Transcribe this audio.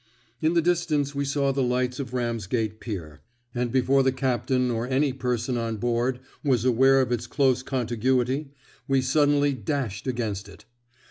In the distance we saw the lights of Ramsgate Pier, and before the captain or any person on board was aware of its close contiguity, we suddenly dashed against it.